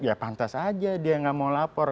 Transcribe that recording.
ya pantas aja dia nggak mau lapor